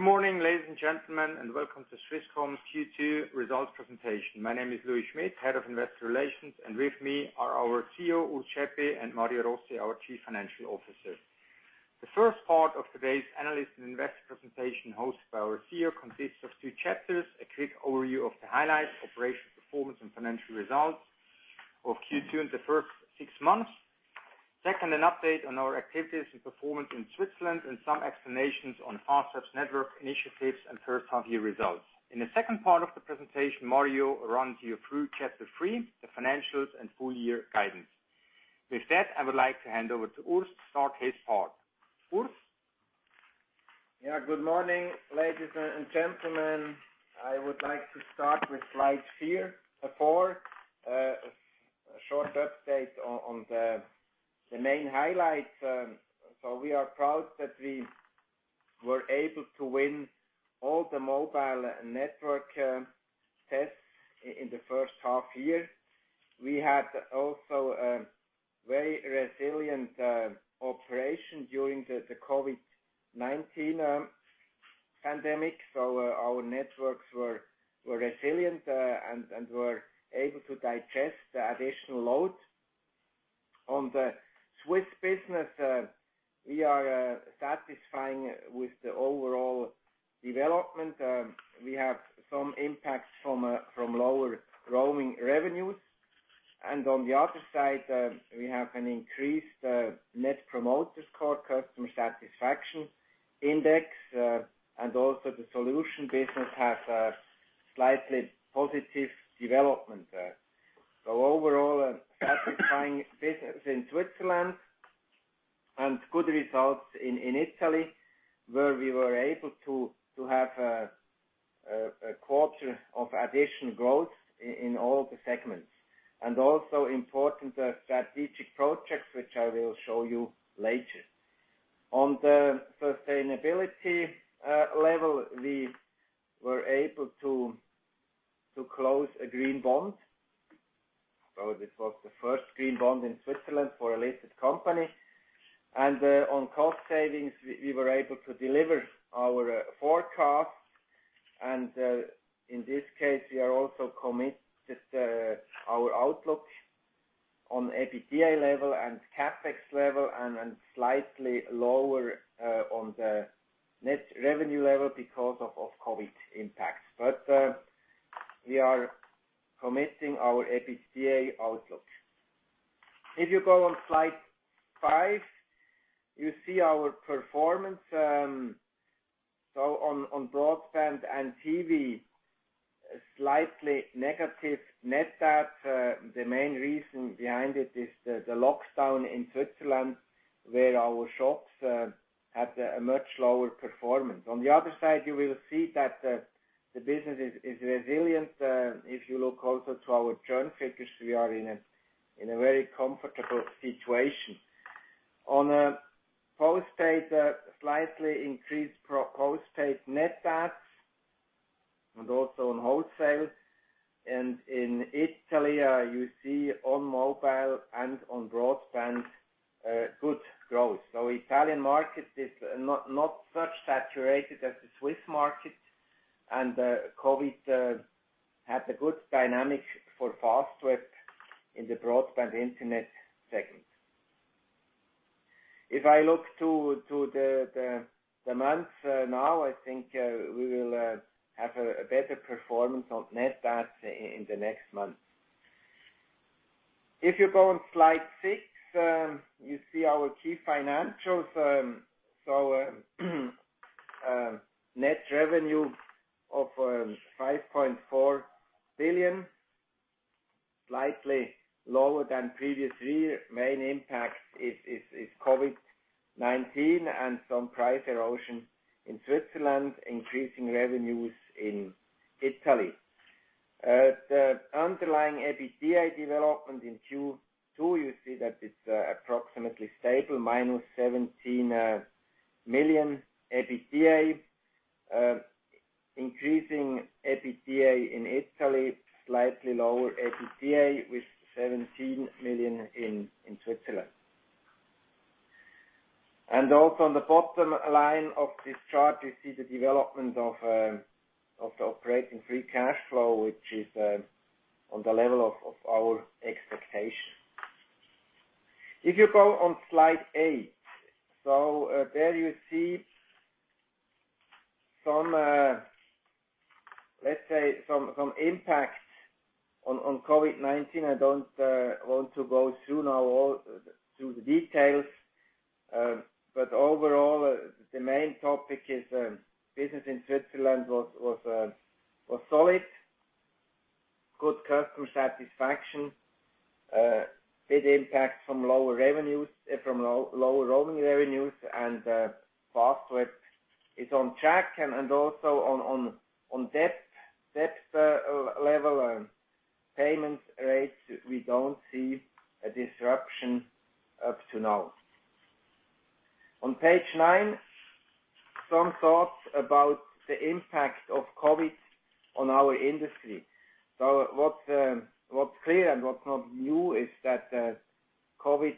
Good morning, ladies and gentlemen, and welcome to Swisscom's Q2 Results Presentation. My name is Louis Schmid, Head of Investor Relations, and with me are our CEO, Urs Schaeppi, and Mario Rossi, our Chief Financial Officer. The first part of today's analyst and investor presentation, hosted by our CEO, consists of two chapters. A quick overview of the highlights, operational performance and financial results of Q2 in the first six months. Second, an update on our activities and performance in Switzerland and some explanations on Fastweb's network initiatives and first half-year results. In the second part of the presentation, Mario runs you through chapter three, the financials and full year guidance. With that, I would like to hand over to Urs to start his part. Urs? Good morning, ladies and gentlemen. I would like to start with slide four, a short update on the main highlights. We are proud that we were able to win all the mobile network tests in the first half year. We had also a very resilient operation during the COVID-19 pandemic. Our networks were resilient and were able to digest the additional load. On the Swiss business, we are satisfied with the overall development. We have some impacts from lower roaming revenues. On the other side, we have an increased Net Promoter Score customer satisfaction index. Also, the solution business has a slightly positive development there. Overall, a satisfied business in Switzerland and good results in Italy, where we were able to have a quarter of additional growth in all the segments. Also important strategic projects, which I will show you later. On the sustainability level, we were able to close a green bond. This was the first green bond in Switzerland for a listed company. On cost savings, we were able to deliver our forecast. In this case, we are also committed our outlook on EBITDA level and CapEx level and slightly lower on the net revenue level because of COVID-19 impacts. We are committing our EBITDA outlook. If you go on slide five, you see our performance. On broadband and TV, slightly negative net adds. The main reason behind it is the lockdown in Switzerland, where our shops had a much lower performance. On the other side, you will see that the business is resilient. If you look also to our churn figures, we are in a very comfortable situation. On postpaid, slightly increased postpaid net adds and also on wholesale. In Italy, you see on mobile and on broadband, good growth. Italian market is not as saturated as the Swiss market. COVID-19 had a good dynamic for Fastweb in the broadband internet segment. If I look to the months now, I think we will have a better performance on net adds in the next months. If you go on slide six, you see our key financials. Net revenue of 5.4 billion, slightly lower than previous year. Main impact is COVID-19 and some price erosion in Switzerland, increasing revenues in Italy. The underlying EBITDA development in Q2, you see that it's approximately stable, -17 million EBITDA. Increasing EBITDA in Italy, slightly lower EBITDA with 17 million in Switzerland. Also on the bottom line of this chart, you see the development of the operating free cash flow, which is on the level of our expectation. If you go on slide eight. There you see some, let's say, some impact on COVID-19. I don't want to go through the details. Overall, the main topic is business in Switzerland was solid. Good customer satisfaction. Big impact from lower roaming revenues and Fastweb is on track. Also on debt level, payments rates, we don't see a disruption up to now. On page nine, some thoughts about the impact of COVID-19 on our industry. What's clear and what's not new is that COVID-19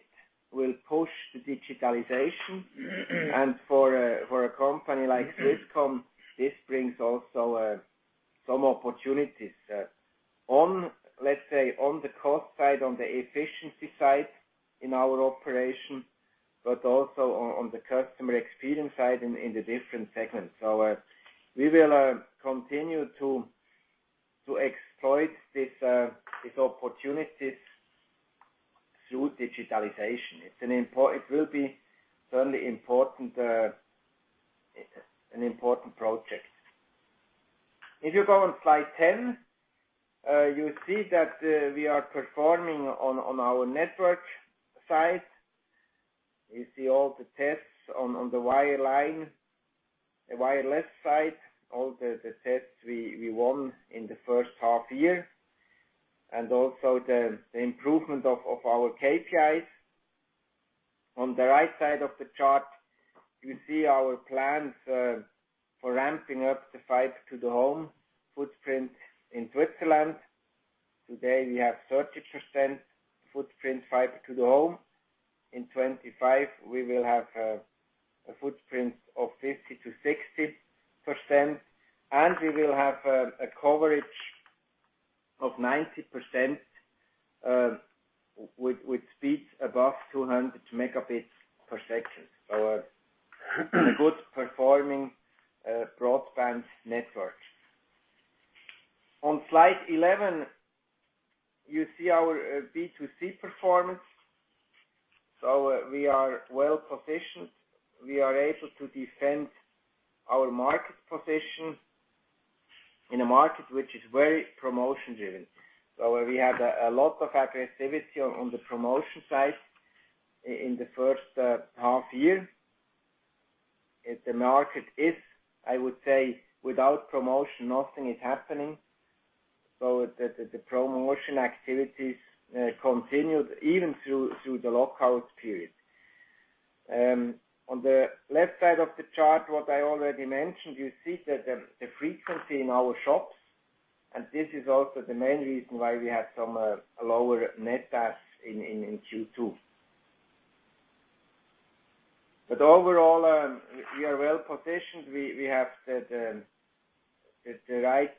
will push the digitalization. For a company like Swisscom, this brings also some opportunities, let's say, on the cost side, on the efficiency side in our operation, but also on the customer experience side in the different segments. We will continue to exploit these opportunities through digitalization. It will be certainly an important project. You go on slide 10, you see that we are performing on our network side. We see all the tests on the wireline, the wireless side, all the tests we won in the first half year, and also the improvement of our KPIs. On the right side of the chart, you see our plans for ramping up the fiber to the home footprint in Switzerland. Today, we have 30% footprint fiber to the home. In 2025, we will have a footprint of 50%-60%, and we will have a coverage of 90% with speeds above 200 megabits per second. A good performing broadband network. On slide 11, you see our B2C performance. We are well-positioned. We are able to defend our market position in a market which is very promotion-driven. We had a lot of aggressivity on the promotion side in the first half year. The market is, I would say, without promotion, nothing is happening. The promotion activities continued even through the lockout period. On the left side of the chart, what I already mentioned, you see that the frequency in our shops, and this is also the main reason why we have some lower net adds in Q2. Overall, we are well-positioned. We have the right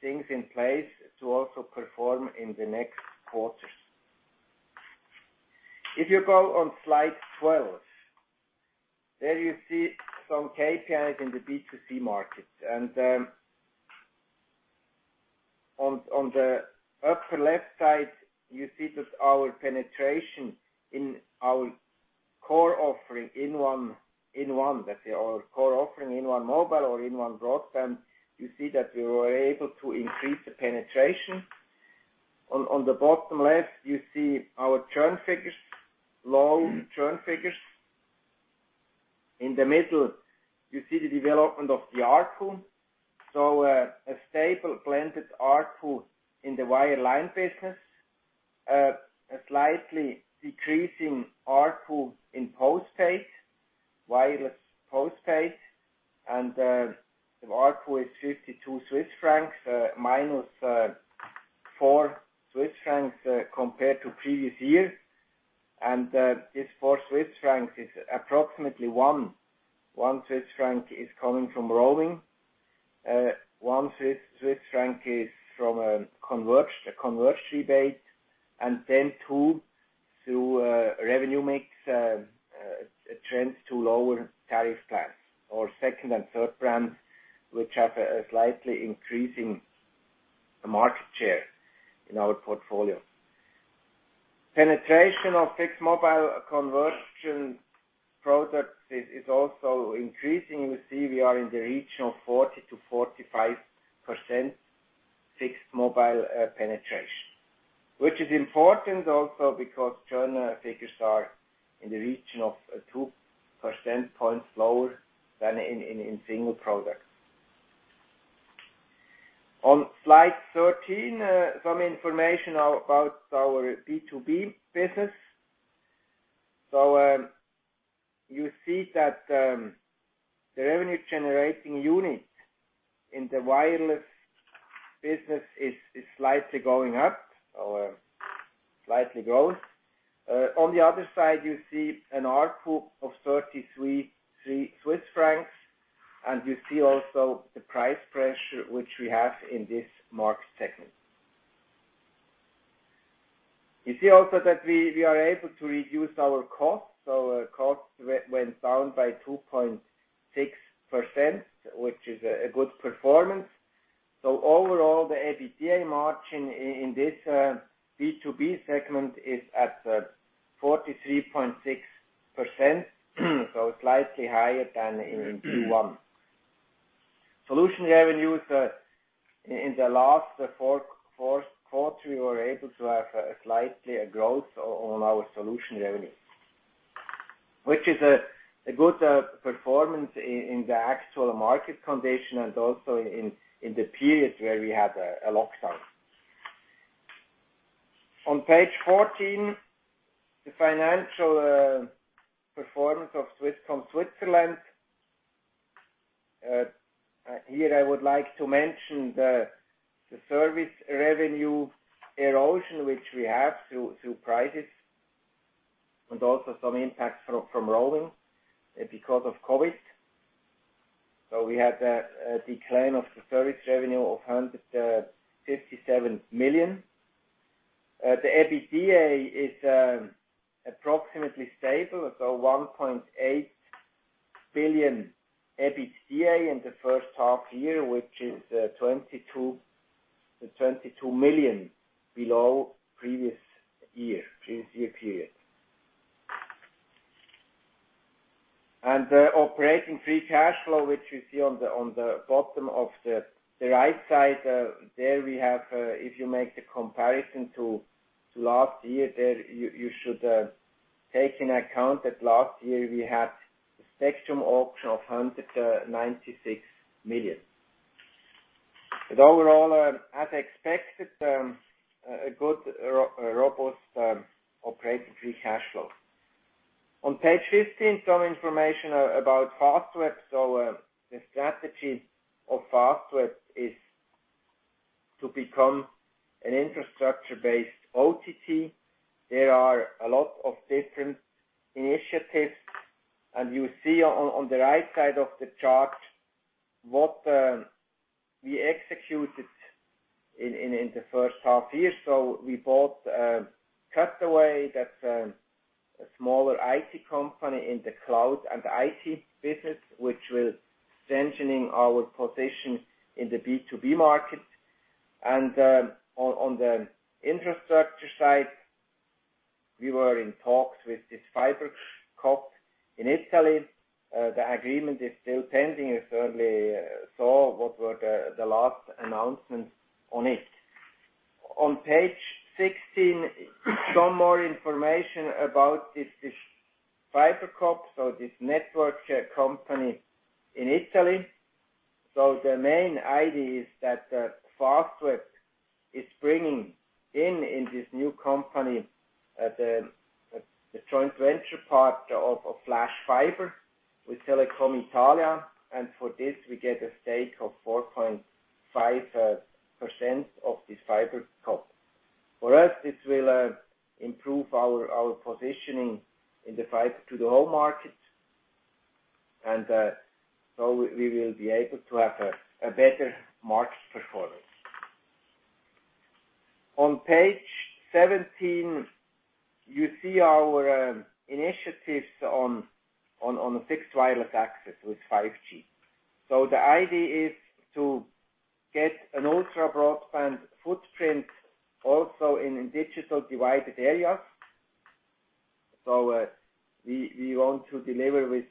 things in place to also perform in the next quarters. If you go on slide 12, there you see some KPIs in the B2C market. On the upper left side, you see that our penetration in our core offering in one mobile or in one broadband, you see that we were able to increase the penetration. On the bottom left, you see our churn figures, low churn figures. In the middle, you see the development of the ARPU. A stable blended ARPU in the wireline business, a slightly decreasing ARPU in postpaid, wireless postpaid. The ARPU is 52 Swiss francs, -4 Swiss francs compared to previous year. This 4 Swiss francs is approximately 1 is coming from roaming. 1 Swiss franc is from a converged rebate, 2 through revenue mix trends to lower tariff plans or second and third brands, which have a slightly increasing market share in our portfolio. Penetration of fixed-mobile convergence products is also increasing. You see we are in the region of 40%-45% fixed-mobile penetration. Which is important also because churn figures are in the region of two percentage points lower than in single products. On slide 13, some information about our B2B business. You see that the revenue-generating unit in the wireless business is slightly going up, or slightly grows. On the other side, you see an ARPU of 33 Swiss francs, and you see also the price pressure which we have in this market segment. You see also that we are able to reduce our costs. Our costs went down by 2.6%, which is a good performance. Overall, the EBITDA margin in this B2B segment is at 43.6%, so slightly higher than in Q1. Solution revenues. In the last fourth quarter, we were able to have a slight growth on our solution revenue, which is a good performance in the actual market condition and also in the period where we had a lockdown. On page 14, the financial performance of Swisscom Switzerland. Here I would like to mention the service revenue erosion, which we have through prices, and also some impact from roaming because of COVID-19. We had a decline of the service revenue of 157 million. The EBITDA is approximately stable, 1.8 billion EBITDA in the first half year, which is 22 million below previous year period. The operating free cash flow, which you see on the bottom of the right side there, if you make the comparison to last year there, you should take into account that last year we had a spectrum auction of 196 million. Overall, as expected, a good, robust operating free cash flow. On page 15, some information about Fastweb. The strategy of Fastweb is to become an infrastructure-based OTT. There are a lot of different initiatives, and you see on the right side of the chart what we executed in the first half year. We bought Axept. That's a smaller IT company in the cloud and IT business, which will strengthening our position in the B2B market. On the infrastructure side, we were in talks with this FiberCop in Italy. The agreement is still pending, you certainly saw what were the last announcements on it. On page 16, some more information about this FiberCop, this network share company in Italy. The main idea is that Fastweb is bringing in this new company, the joint venture part of Flash Fiber with Telecom Italia. For this we get a stake of 4.5% of this FiberCop. For us, this will improve our positioning in the fiber-to-the-home market, we will be able to have a better market performance. On page 17, you see our initiatives on fixed wireless access with 5G. The idea is to get an ultra-broadband footprint also in digital divided areas. We want to deliver with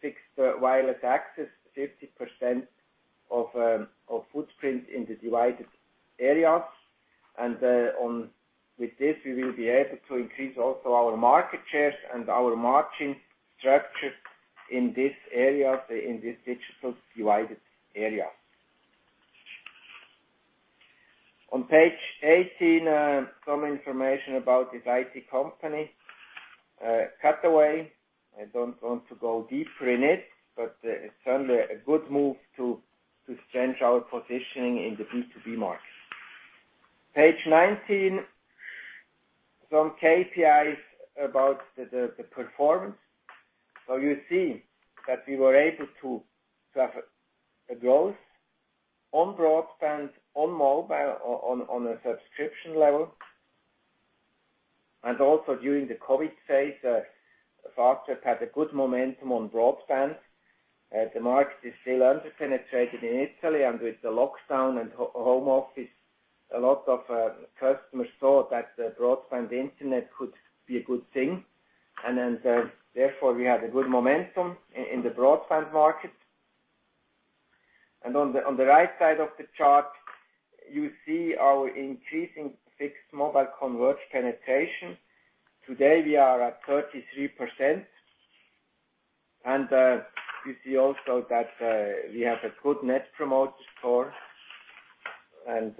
fixed wireless access 50% of footprint in the divided areas. With this, we will be able to increase also our market shares and our margin structure in this area, in this digital divided area. On page 18, some information about this IT company, Axept. I don't want to go deeper in it, but it's certainly a good move to strengthen our positioning in the B2B market. Page 19, some KPIs about the performance. You see that we were able to have a growth on broadband, on mobile, on a subscription level. Also during the COVID phase, Fastweb had a good momentum on broadband. The market is still under-penetrated in Italy. With the lockdown and home office, a lot of customers saw that broadband Internet could be a good thing. Therefore, we had a good momentum in the broadband market. On the right side of the chart, you see our increasing fixed mobile convergence penetration. Today, we are at 33%. You see also that we have a good Net Promoter Score on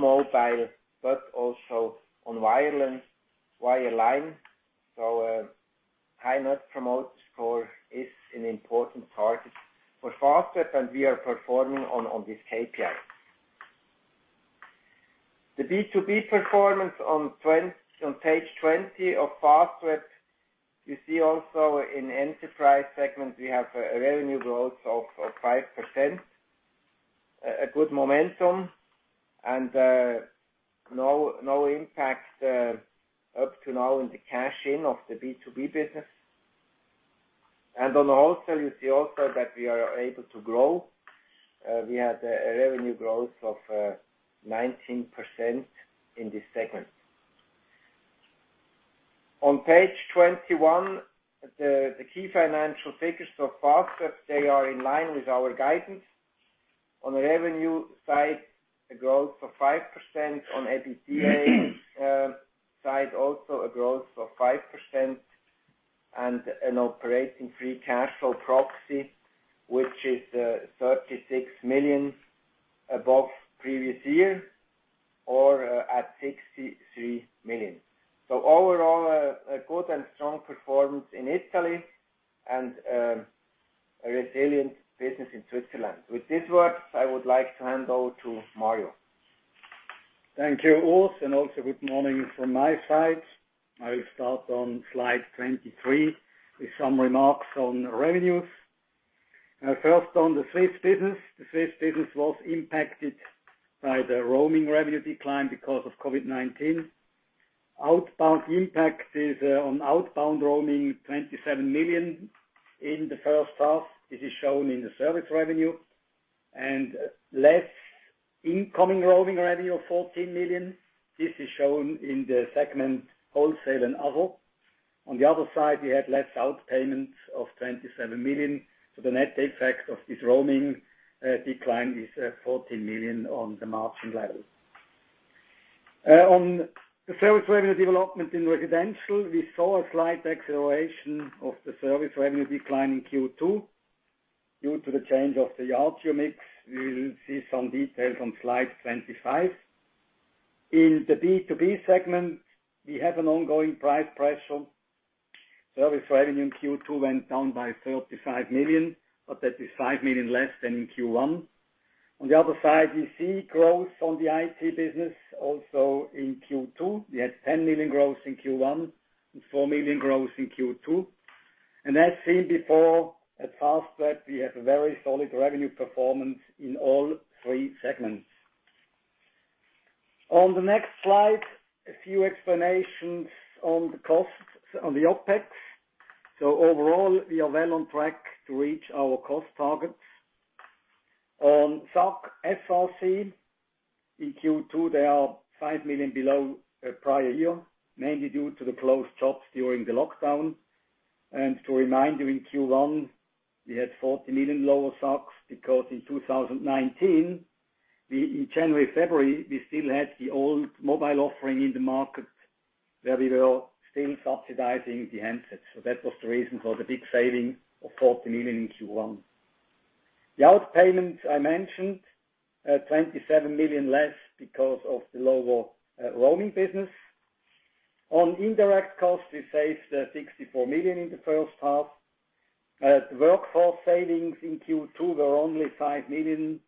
mobile, but also on wireline. High Net Promoter Score is an important target for Fastweb, and we are performing on these KPIs. The B2B performance on page 20 of Fastweb. You see also in enterprise segment, we have a revenue growth of 5%. A good momentum and no impact up to now in the cash-in of the B2B business. On the wholesale, you see also that we are able to grow. We had a revenue growth of 19% in this segment. On page 21, the key financial figures for Fastweb, they are in line with our guidance. On the revenue side, a growth of 5%. On EBITDA side, also a growth of 5%. An operating free cash flow proxy, which is 36 million above previous year. At 63 million. Overall, a good and strong performance in Italy and a resilient business in Switzerland. With these words, I would like to hand over to Mario. Thank you, Urs, and also good morning from my side. I will start on slide 23 with some remarks on revenues. First, on the Swiss business. The Swiss business was impacted by the roaming revenue decline because of COVID-19. Outbound impact is on outbound roaming 27 million in the first half. This is shown in the service revenue. Less incoming roaming revenue of 14 million. This is shown in the segment wholesale and other. On the other side, we had less outpayments of 27 million. The net effect of this roaming decline is 14 million on the margin level. On the service revenue development in residential, we saw a slight acceleration of the service revenue decline in Q2 due to the change of the ARPU mix. We will see some details on slide 25. In the B2B segment, we have an ongoing price pressure. Service revenue in Q2 went down by 35 million, that is 5 million less than in Q1. On the other side, we see growth on the IT business also in Q2. We had 10 million growth in Q1 and 4 million growth in Q2. As seen before, at Fastweb, we have a very solid revenue performance in all three segments. On the next slide, a few explanations on the costs, on the OpEx. Overall, we are well on track to reach our cost targets. On SAC, SRC, in Q2, they are 5 million below prior year, mainly due to the closed shops during the lockdown. To remind you, in Q1, we had 40 million lower SACs because in 2019, in January, February, we still had the old mobile offering in the market where we were still subsidizing the handsets. That was the reason for the big saving of 40 million in Q1. The outpayments I mentioned, 27 million less because of the lower roaming business. On indirect costs, we saved 64 million in the first half. The workforce savings in Q2 were only 5 million Swiss francs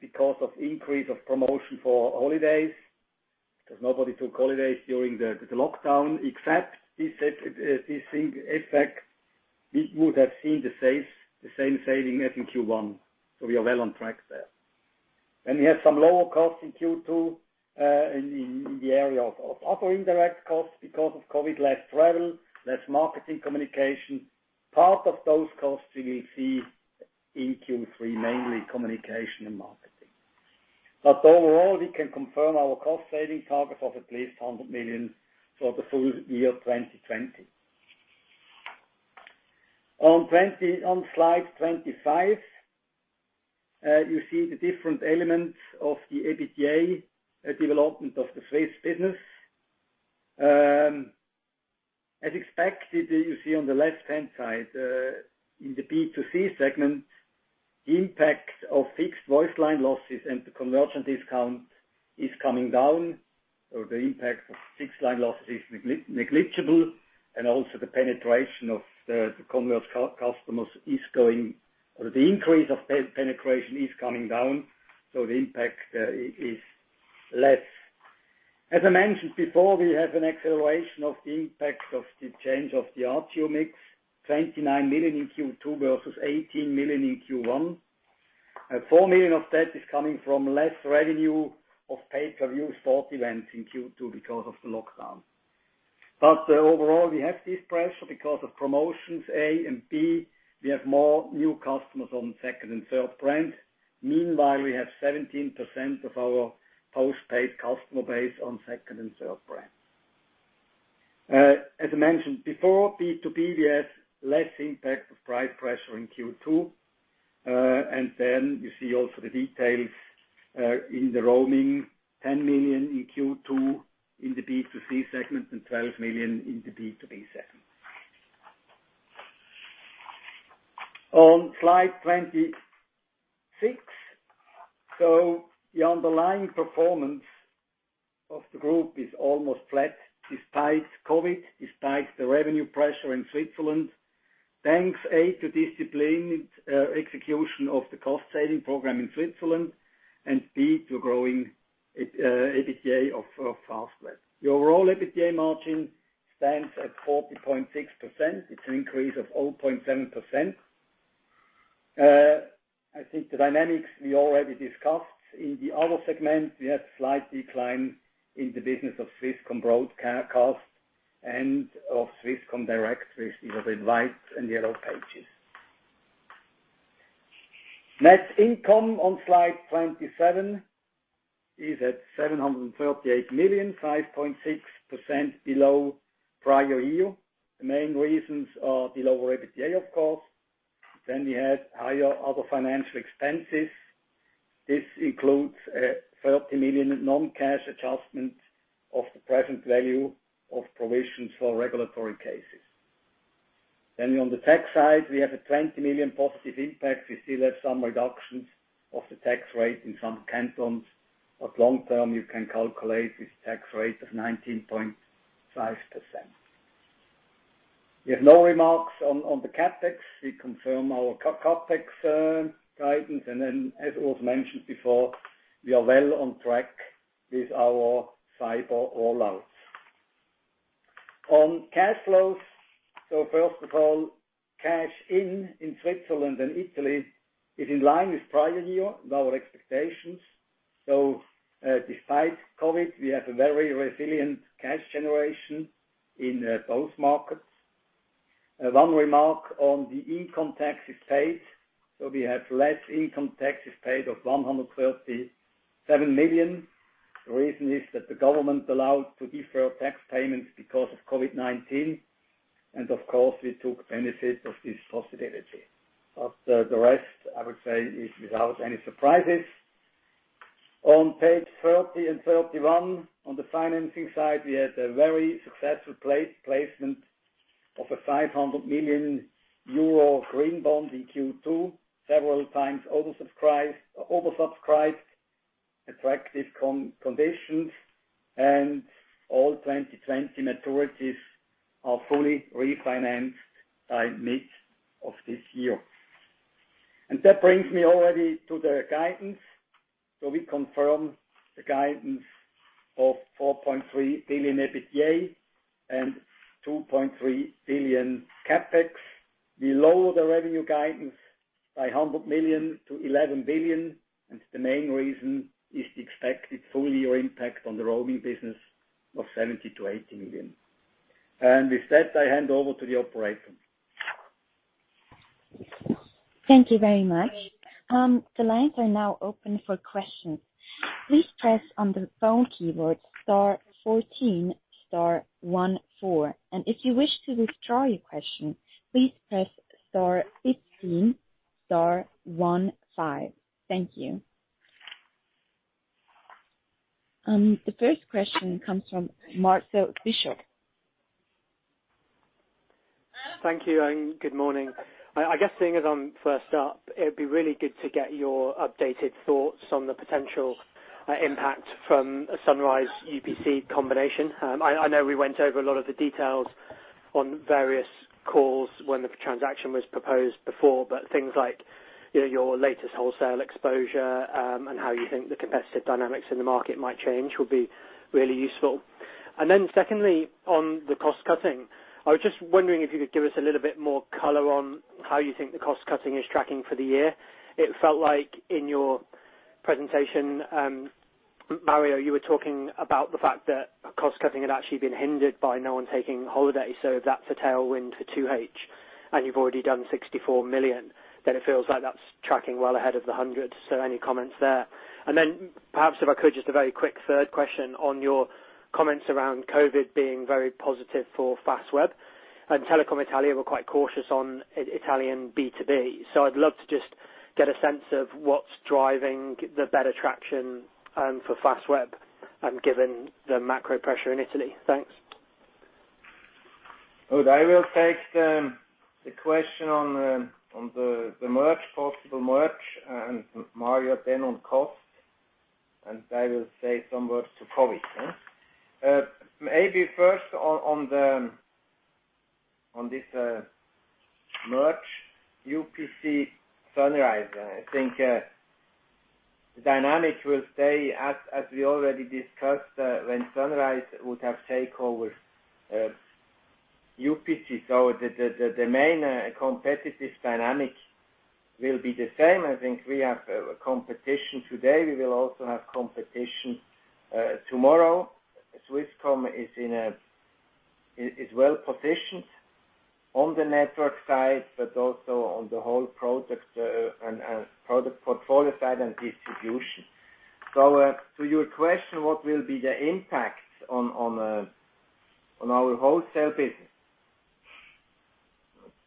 because of increase of promotion for holidays, because nobody took holidays during the lockdown. Except this effect, we would have seen the same saving as in Q1. We are well on track there. We have some lower costs in Q2, in the area of other indirect costs because of COVID-19. Less travel, less marketing communication. Part of those costs we will see in Q3, mainly communication and marketing. Overall, we can confirm our cost-saving target of at least 100 million for the full year 2020. On slide 25, you see the different elements of the EBITDA development of the Swiss business. As expected, you see on the left-hand side, in the B2C segment, the impact of fixed voice line losses and the convergence discount is coming down, or the impact of fixed line losses is negligible, and also the penetration of the converged customers the increase of penetration is coming down, the impact is less. As I mentioned before, we have an acceleration of the impact of the change of the ARPU mix, 29 million in Q2 versus 18 million in Q1. 4 million of that is coming from less revenue of pay-per-view sports events in Q2 because of the lockdown. Overall, we have this pressure because of promotions, A, and B, we have more new customers on second and third brand. Meanwhile, we have 17% of our postpaid customer base on second and third brand. As I mentioned before, B2B we have less impact of price pressure in Q2. You see also the details in the roaming, 10 million in Q2 in the B2C segment and 12 million in the B2B segment. On slide 26. The underlying performance of the group is almost flat despite COVID-19, despite the revenue pressure in Switzerland, thanks, A, to disciplined execution of the cost-saving program in Switzerland, and B, to growing EBITDA of Fastweb. The overall EBITDA margin stands at 40.6%. It's an increase of 0.7%. I think the dynamics we already discussed. In the other segment, we had slight decline in the business of Swisscom Broadcast and of Swisscom Directories. These are the whites and yellow pages. Net income on slide 27 is at 738 million, 5.6% below prior year. The main reasons are the lower EBITDA, of course. We had higher other financial expenses. This includes a 30 million non-cash adjustment of the present value of provisions for regulatory cases. On the tax side, we have a 20 million positive impact. We still have some reductions of the tax rate in some cantons. Long-term, you can calculate this tax rate of 19.5%. We have no remarks on the CapEx. We confirm our CapEx guidance. As was mentioned before, we are well on track with our fiber rollouts. On cash flows, first of all, cash in Switzerland and Italy is in line with prior year and our expectations. Despite COVID, we have a very resilient cash generation in both markets. One remark on the income taxes paid. We have less income taxes paid of 137 million. The reason is that the government allowed to defer tax payments because of COVID-19, of course, we took benefit of this possibility. The rest, I would say, is without any surprises. On page 30 and 31, on the financing side, we had a very successful placement of a 500 million euro green bond in Q2, several times oversubscribed, attractive conditions, all 2020 maturities are fully refinanced by mid of this year. That brings me already to the guidance. We confirm the guidance of 4.3 billion EBITDA and 2.3 billion CapEx. We lower the revenue guidance by 100 million to 11 billion. The main reason is the expected full-year impact on the roaming business of 70 million-80 million. With that, I hand over to the operator. Thank you very much. The lines are now open for questions. Please press on the phone keyboard star 14, star one, four. If you wish to withdraw your question, please press star 15, star one, five. Thank you. The first question comes from Marco Bischof. Thank you. Good morning. I guess seeing as I'm first up, it'd be really good to get your updated thoughts on the potential impact from a Sunrise UPC combination. I know we went over a lot of the details on various calls when the transaction was proposed before, but things like your latest wholesale exposure, and how you think the competitive dynamics in the market might change would be really useful. Secondly, on the cost-cutting, I was just wondering if you could give us a little bit more color on how you think the cost-cutting is tracking for the year. It felt like in your presentation, Mario, you were talking about the fact that cost-cutting had actually been hindered by no one taking holiday. If that's a tailwind for 2H, and you've already done 64 million, then it feels like that's tracking well ahead of the 100. Any comments there? Then perhaps if I could, just a very quick third question on your comments around COVID being very positive for Fastweb. Telecom Italia were quite cautious on Italian B2B. I'd love to just get a sense of what's driving the better traction for Fastweb and given the macro pressure in Italy. Thanks. Good. I will take the question on the possible merge, and Mario then on cost. I will say some words to COVID. Maybe first on this merge, UPC Sunrise. I think the dynamics will stay as we already discussed when Sunrise would have takeover UPC. The main competitive dynamic will be the same. I think we have competition today. We will also have competition tomorrow. Swisscom is well-positioned on the network side, but also on the whole product portfolio side and distribution. To your question, what will be the impact on our wholesale business?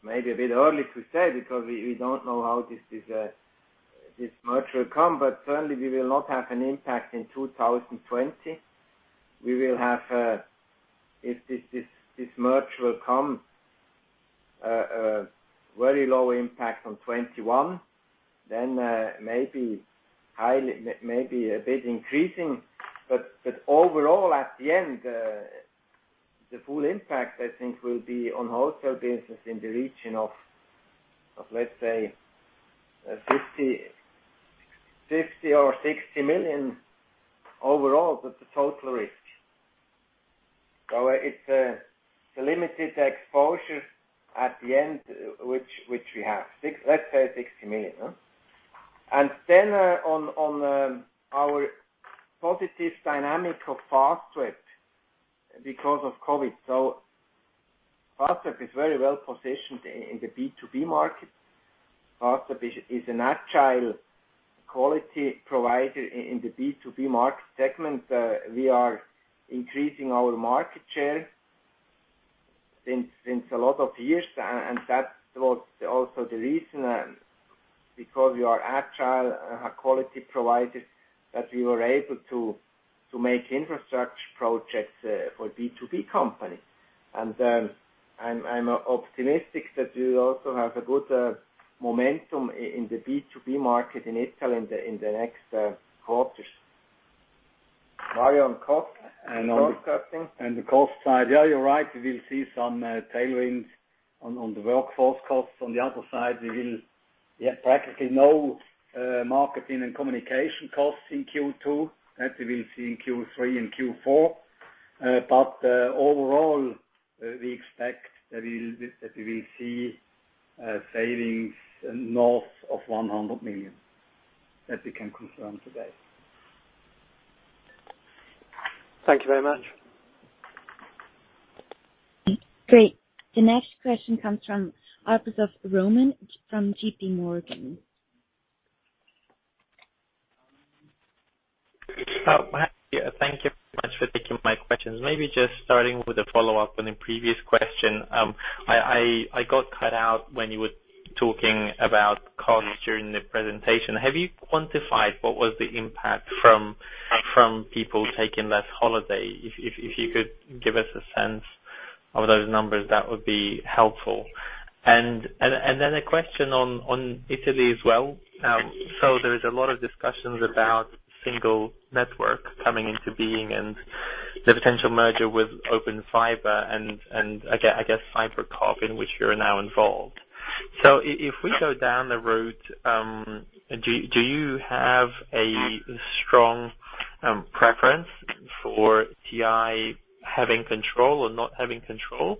It's maybe a bit early to say because we don't know how this merge will come, but certainly we will not have an impact in 2020. We will have, if this merge will come, a very low impact on 2021, then maybe a bit increasing. Overall, at the end, the full impact, I think, will be on wholesale business in the region of, let's say, 50 or 60 million overall with the total risk. It's a limited exposure at the end which we have. Let's say 60 million. Then on our positive dynamic of Fastweb because of COVID. Fastweb is very well-positioned in the B2B market. Fastweb is an agile quality provider in the B2B market segment. We are increasing our market share since a lot of years, and that was also the reason Because we are agile and a high-quality provider that we were able to make infrastructure projects for B2B companies. I'm optimistic that we will also have a good momentum in the B2B market in Italy in the next quarters. Mario, on cost. On the cost side, yeah, you're right. We will see some tailwinds on the workforce costs. On the other side, we have practically no marketing and communication costs in Q2. That we will see in Q3 and Q4. Overall, we expect that we will see savings north of 100 million. That we can confirm today. Thank you very much. Great. The next question comes from office of Roman from JPMorgan. Thank you very much for taking my questions. Starting with a follow-up on a previous question. I got cut out when you were talking about costs during the presentation. Have you quantified what was the impact from people taking less holiday? If you could give us a sense of those numbers, that would be helpful. A question on Italy as well. There is a lot of discussions about single network coming into being and the potential merger with Open Fiber and, I guess, FiberCop, in which you're now involved. If we go down the route, do you have a strong preference for TI having control or not having control?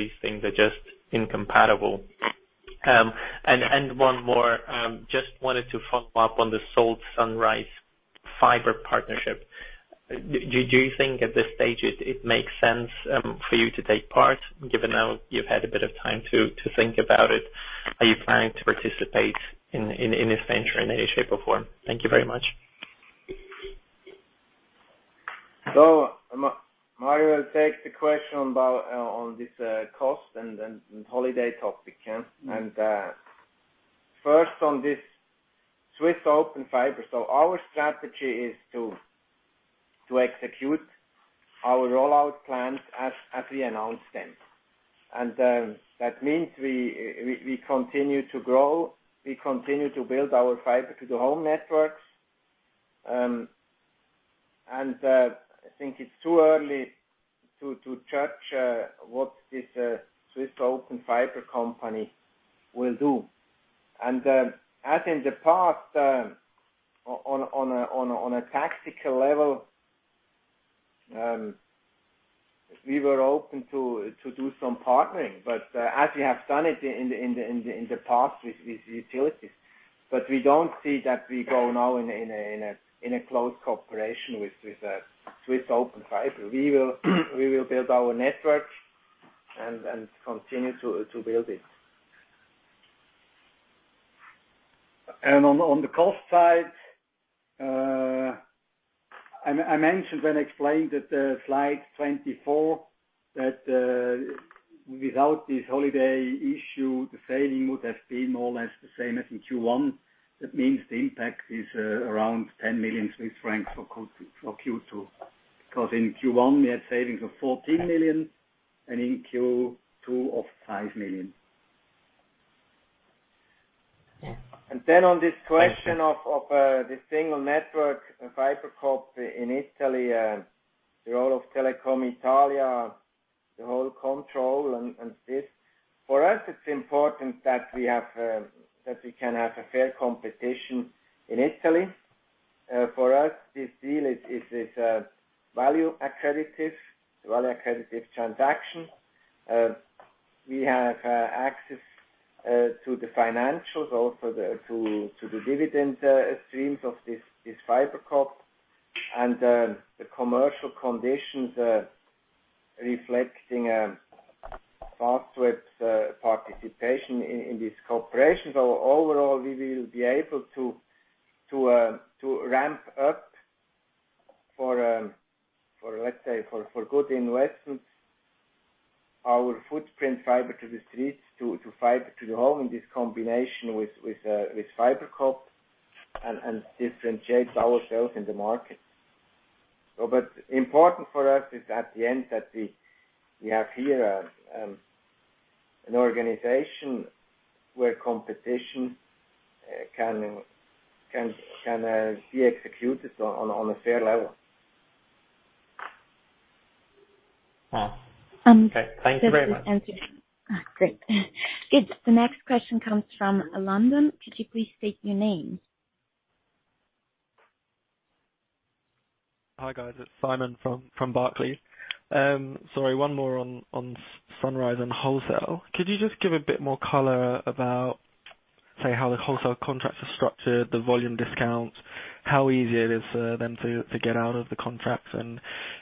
These things are just incompatible? One more, just wanted to follow up on the Salt Sunrise fiber partnership. Do you think at this stage it makes sense for you to take part, given now you've had a bit of time to think about it? Are you planning to participate in this venture in any shape or form? Thank you very much. Mario will take the question on this cost and holiday topic. First on this Swiss Open Fiber. Our strategy is to execute our rollout plans as we announce them. That means we continue to grow, we continue to build our fiber-to-the-home networks. I think it's too early to judge what this Swiss Open Fiber company will do. As in the past, on a tactical level, we were open to do some partnering. As we have done it in the past with utilities. We don't see that we go now in a close cooperation with Swiss Open Fiber. We will build our network and continue to build it. On the cost side, I mentioned when I explained at slide 24 that without this holiday issue, the saving would have been more or less the same as in Q1. That means the impact is around 10 million Swiss francs for Q2. Because in Q1, we had savings of 14 million and in Q2 of 5 million. On this question of the single network, FiberCop in Italy, the role of Telecom Italia, the whole control and this. For us, it's important that we can have a fair competition in Italy. For us, this deal is a value-accretive transaction. We have access to the financials, also to the dividend streams of this FiberCop. The commercial conditions reflecting Fastweb's participation in this cooperation. Overall, we will be able to ramp up for let's say, for good investments, our footprint fiber to the street to fiber to the home in this combination with FiberCop and differentiate ourselves in the market. Important for us is at the end that we have here an organization where competition can be executed on a fair level. Okay. Thank you very much. Great. Good. The next question comes from London. Could you please state your name? Hi, guys. It's Simon from Barclays. Sorry, one more on Sunrise and wholesale. Could you just give a bit more color about, say, how the wholesale contracts are structured, the volume discounts, how easy it is for them to get out of the contracts?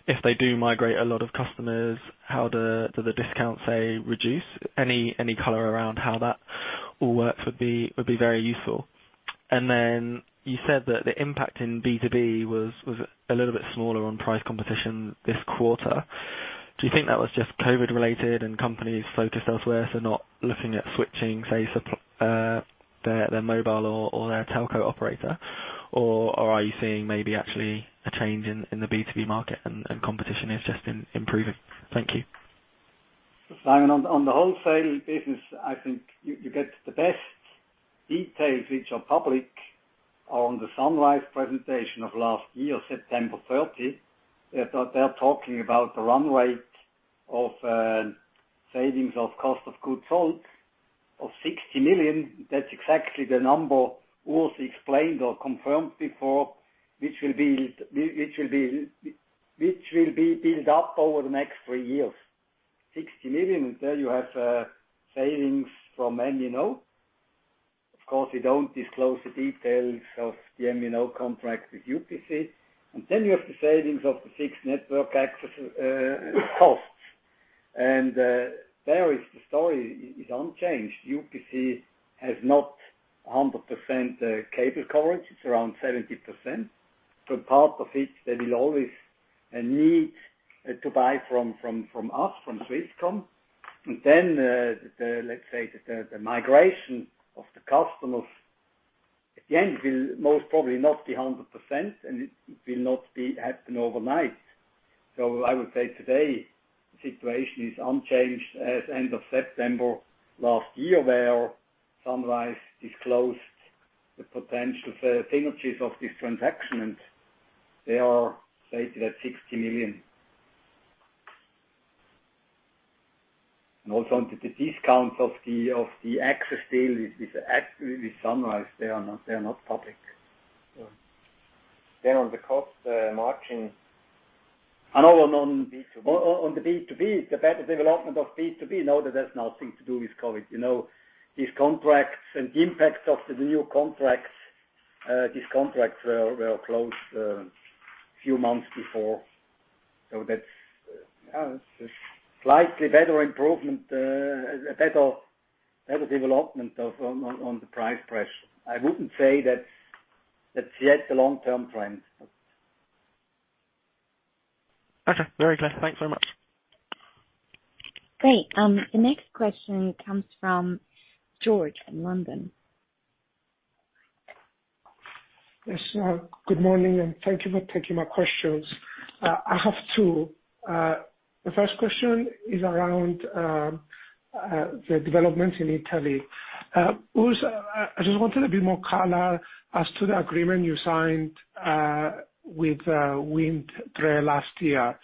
If they do migrate a lot of customers, how do the discounts, say, reduce? Any color around how that all work would be very useful. Then you said that the impact in B2B was a little bit smaller on price competition this quarter. Do you think that was just COVID related and companies focused elsewhere, so not looking at switching, say, their mobile or their telco operator? Are you seeing maybe actually a change in the B2B market and competition is just improving? Thank you. Simon, on the wholesale business, I think you get the best details which are public on the Sunrise presentation of last year, September 30. They're talking about the run rate of savings of cost of goods sold of 60 million. That's exactly the number Urs explained or confirmed before, which will be built up over the next three years. 60 million. There you have savings from MNO. Of course, we don't disclose the details of the MNO contract with UPC. You have the savings of the fixed network access costs. There the story is unchanged. UPC has not 100% cable coverage. It's around 70%. Part of it, they will always need to buy from us, from Swisscom. Then, let's say that the migration of the customers at the end will most probably not be 100%, and it will not happen overnight. I would say today, the situation is unchanged as end of September last year, where Sunrise disclosed the potential synergies of this transaction, and they are stated at 60 million. Also the discounts of the access deal with Sunrise, they are not public. On the cost margin. On the B2B, the better development of B2B, no, that has nothing to do with COVID. These contracts and the impacts of the new contracts, these contracts were closed a few months before. That's a slightly better improvement, a better development on the price pressure. I wouldn't say that's yet the long-term trend. Okay. Very clear. Thanks so much. Great. The next question comes from George in London. Yes. Good morning, and thank you for taking my questions. I have two. The first question is around the developments in Italy. Urs, I just wanted a bit more color as to the agreement you signed with Wind Tre last year.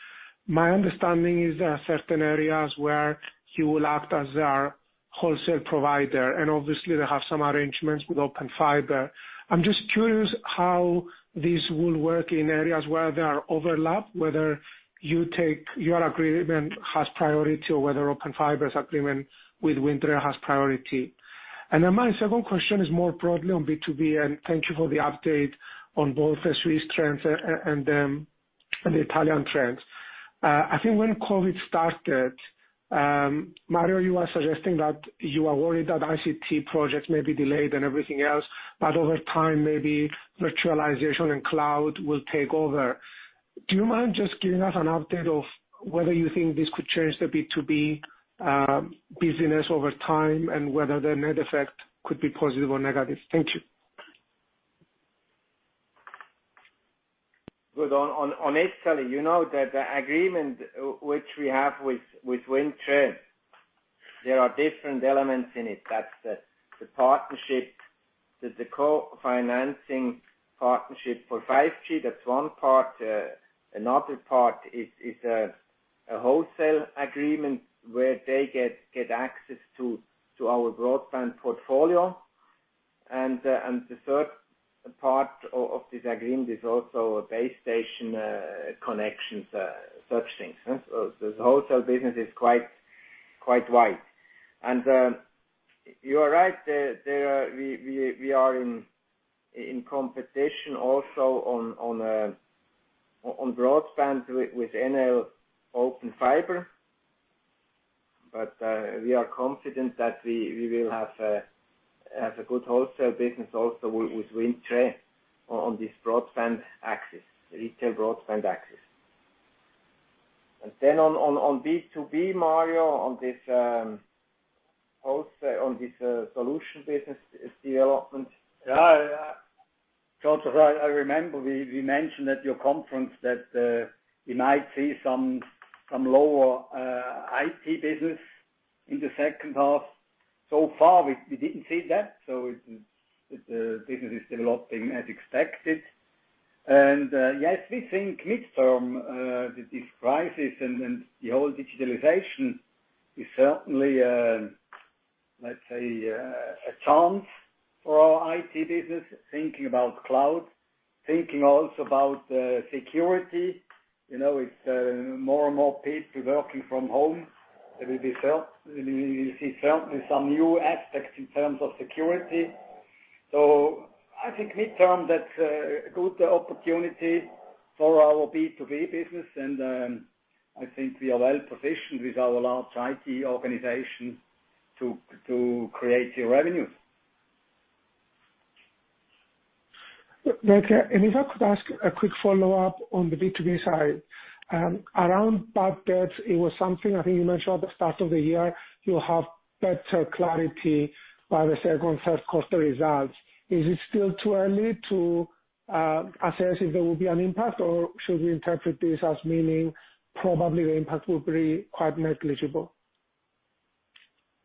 My understanding is there are certain areas where you will act as their wholesale provider, and obviously they have some arrangements with Open Fiber. I'm just curious how this will work in areas where there are overlap, whether your agreement has priority or whether Open Fiber's agreement with Wind Tre has priority. My second question is more broadly on B2B, and thank you for the update on both the Swiss trends and the Italian trends. I think when COVID-19 started, Mario, you were suggesting that you are worried that ICT projects may be delayed and everything else, but over time, maybe virtualization and cloud will take over. Do you mind just giving us an update of whether you think this could change the B2B business over time and whether the net effect could be positive or negative? Thank you. Good. On Italy, you know that the agreement which we have with Wind Tre, there are different elements in it. That's the partnership, the co-financing partnership for 5G. That's one part. Another part is a wholesale agreement where they get access to our broadband portfolio. The third part of this agreement is also base station connections, such things. This wholesale business is quite wide. You are right. We are in competition also on broadband with Open Fiber. We are confident that we will have a good wholesale business also with Wind Tre on this retail broadband access. On B2B, Mario, on this solution business development. George, I remember we mentioned at your conference that we might see some lower IT business in the second half. So far, we didn't see that. The business is developing as expected. Yes, we think midterm, this crisis and the whole digitalization is certainly, let's say, a chance for our IT business, thinking about cloud, thinking also about security. With more and more people working from home, there will be certainly some new aspects in terms of security. I think midterm, that's a good opportunity for our B2B business, and I think we are well-positioned with our large IT organization to create the revenue. Okay. If I could ask a quick follow-up on the B2B side? Around bad debts, it was something I think you mentioned at the start of the year, you have better clarity by the second, third quarter results. Is it still too early to assess if there will be an impact, or should we interpret this as meaning probably the impact will be quite negligible?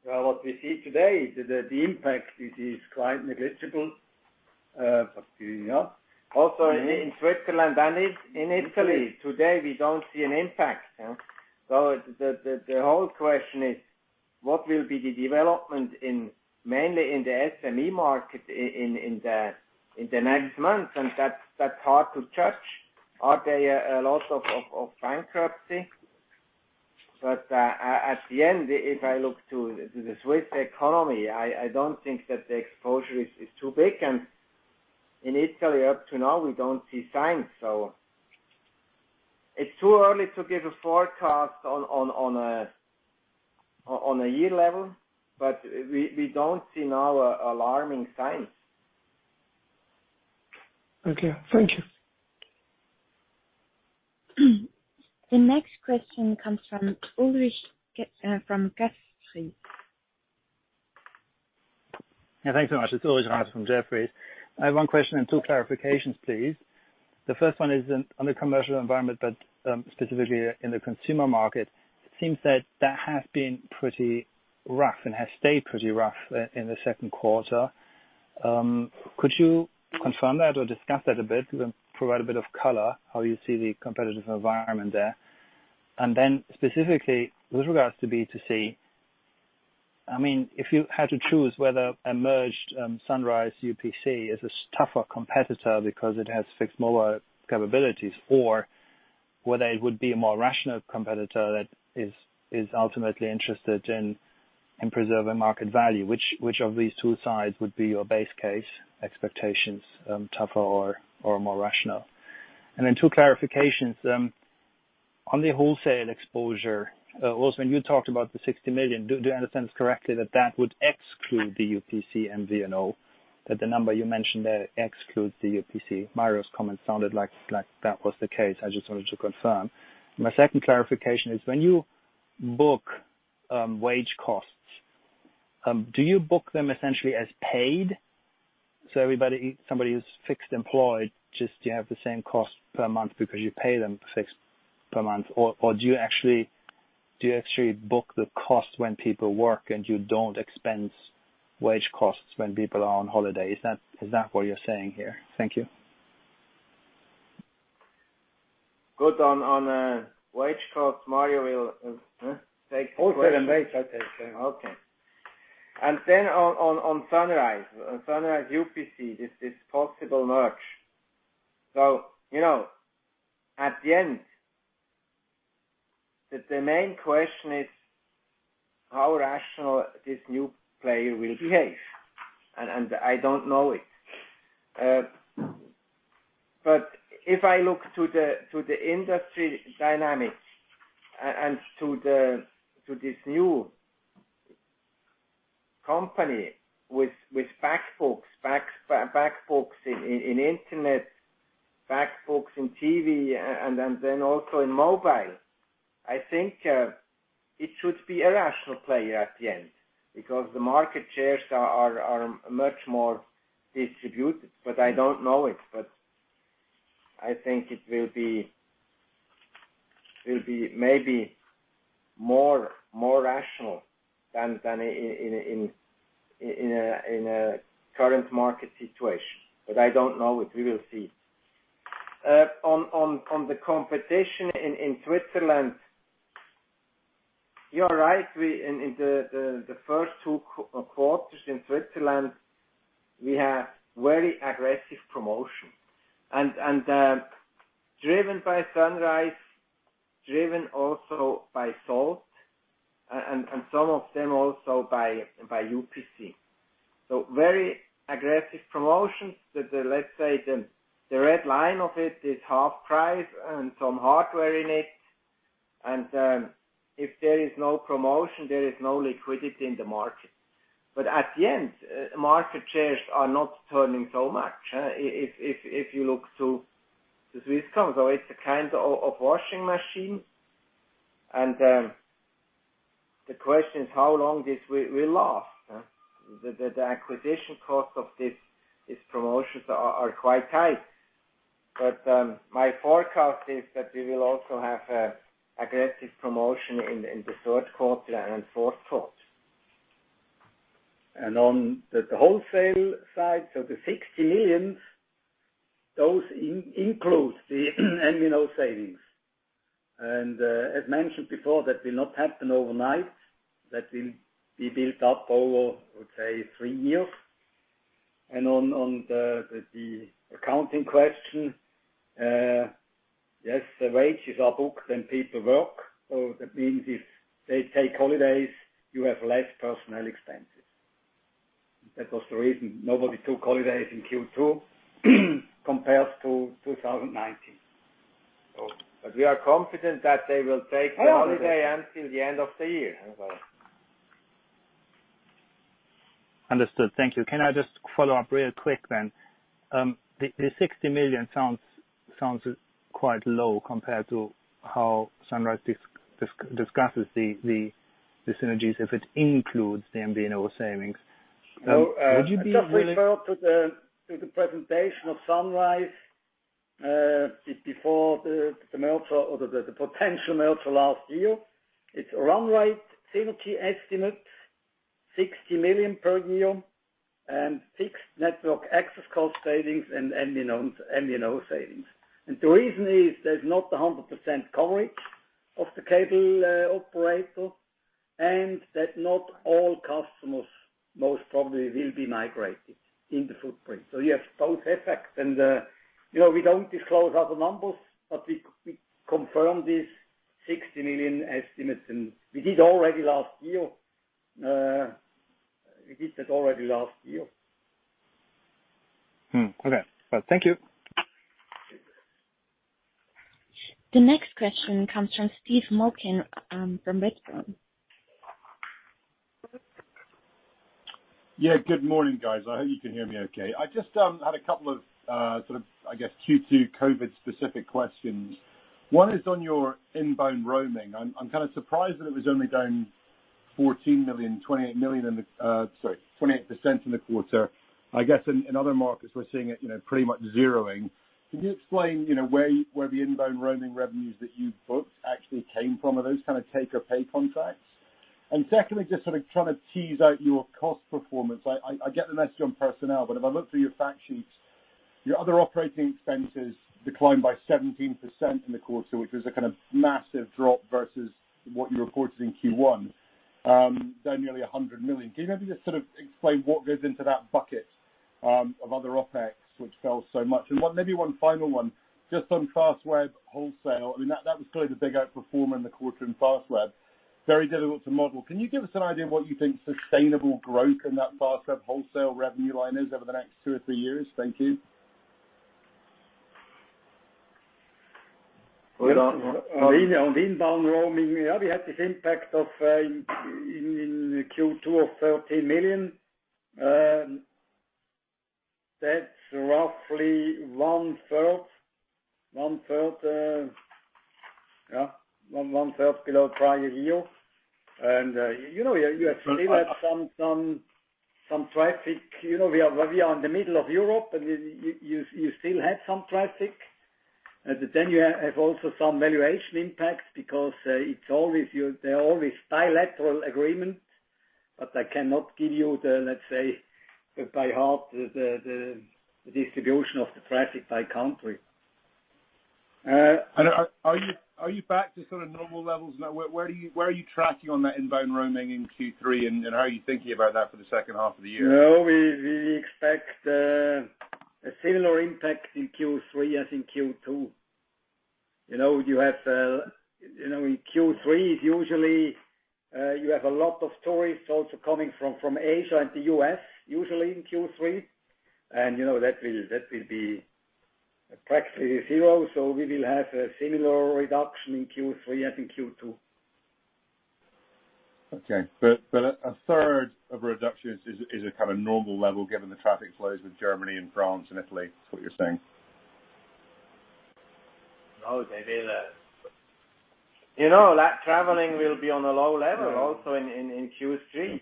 Well, what we see today is that the impact is quite negligible. Also in Switzerland and in Italy, today, we don't see an impact. The whole question is, what will be the development mainly in the SME market in the next months? That's hard to judge. Are there a lot of bankruptcy? At the end, if I look to the Swiss economy, I don't think that the exposure is too big. In Italy, up to now, we don't see signs. It's too early to give a forecast on a year level. We don't see now alarming signs. Okay. Thank you. The next question comes from Ulrich, from Jefferies. Yeah, thanks so much. It's Ulrich Rathe from Jefferies. I have one question and two clarifications, please. The first one is on the commercial environment, specifically in the consumer market. It seems that that has been pretty rough and has stayed pretty rough in the second quarter. Could you confirm that or discuss that a bit, provide a bit of color, how you see the competitive environment there? Specifically, with regards to B2C, if you had to choose whether a merged Sunrise UPC is a tougher competitor because it has fixed mobile capabilities or whether it would be a more rational competitor that is ultimately interested in preserving market value. Which of these two sides would be your base case expectations, tougher or more rational? Two clarifications. On the wholesale exposure, Urs, when you talked about the 60 million, do I understand correctly that that would exclude the UPC M&A? The number you mentioned there excludes the UPC. Mario's comment sounded like that was the case. I just wanted to confirm. My second clarification is when you book wage costs, do you book them essentially as paid? Somebody who's fixed employed, just you have the same cost per month because you pay them fixed per month, or do you actually book the cost when people work and you don't expense wage costs when people are on holiday? Is that what you're saying here? Thank you. Good. On wage costs Mario. On wholesale and wage. Okay. On Sunrise UPC, this possible merge. At the end, the main question is how rational this new player will behave, and I don't know it. If I look to the industry dynamics and to this new company with back books in internet, back books in TV, also in mobile, I think it should be a rational player at the end because the market shares are much more distributed, but I don't know it. I think it will be maybe more rational than in a current market situation. I don't know it. We will see. On the competition in Switzerland, you are right. In the first two quarters in Switzerland, we have very aggressive promotion. Driven by Sunrise, driven also by Salt, some of them also by UPC. Very aggressive promotions. Let's say, the red line of it is half price and some hardware in it. If there is no promotion, there is no liquidity in the market. At the end, market shares are not turning so much, if you look to Swisscom. It's a kind of washing machine. The question is, how long this will last? The acquisition cost of these promotions are quite high. My forecast is that we will also have aggressive promotion in the third quarter and fourth quarter. On the wholesale side, so the 60 million, those include the M&A savings. As mentioned before, that will not happen overnight. That will be built up over, I would say, three years. On the accounting question, yes, the wages are booked when people work. That means if they take holidays, you have less personnel expenses. That was the reason nobody took holidays in Q2 compared to 2019. We are confident that they will take the holiday until the end of the year. Understood. Thank you. Can I just follow up real quick then? The 60 million sounds quite low compared to how Sunrise discusses the synergies, if it includes the MVNO savings. Would you be... Just refer to the presentation of Sunrise before the merger or the potential merger last year. It's run rate synergy estimate 60 million per year and fixed network access cost savings and MVNO savings. The reason is there's not 100% coverage of the cable operator and that not all customers most probably will be migrated in the footprint. You have both effects. We don't disclose other numbers, but we confirm this 60 million estimate, we did that already last year. Okay. Well, thank you. The next question comes from Steve Malcolm from Redburn. Yeah, good morning, guys. I hope you can hear me okay. I just had a couple of, sort of, I guess, Q2 COVID-specific questions. One is on your inbound roaming. I'm kind of surprised that it was only down 28% in the quarter. I guess, in other markets, we're seeing it pretty much zeroing. Can you explain where the inbound roaming revenues that you booked actually came from? Are those kind of take or pay contracts? Secondly, just sort of trying to tease out your cost performance. I get the message on personnel, if I look through your fact sheets, your other operating expenses declined by 17% in the quarter, which was a kind of massive drop versus what you reported in Q1, down nearly 100 million. Can you maybe just sort of explain what goes into that bucket of other OpEx which fell so much? Maybe one final one, just on Fastweb wholesale. That was clearly the big outperformer in the quarter in Fastweb. Very difficult to model. Can you give us an idea of what you think sustainable growth in that Fastweb wholesale revenue line is over the next two or three years? Thank you. On inbound roaming, we had this impact in Q2 of 13 million. That's roughly one-third below prior year. You still have some traffic. We are in the middle of Europe, and you still have some traffic. You have also some valuation impacts because there are always bilateral agreements, but I cannot give you the, let's say, by heart, the distribution of the traffic by country. Are you back to sort of normal levels now? Where are you tracking on that inbound roaming in Q3, and how are you thinking about that for the second half of the year? No, we expect a similar impact in Q3 as in Q2. In Q3, usually, you have a lot of tourists also coming from Asia and the U.S., usually in Q3, and that will be practically zero. We will have a similar reduction in Q3 as in Q2. Okay. A third of reduction is a kind of normal level given the traffic flows with Germany and France and Italy, is what you're saying? No, maybe less. That traveling will be on a low level also in Q3. We